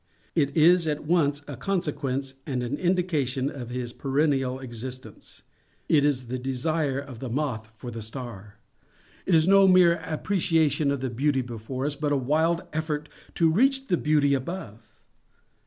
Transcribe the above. It is at once a consequence and an indication of his perennial existence. It is the desire of the moth for the star. It is no mere appreciation of the Beauty before us, but a wild effort to reach the Beauty above.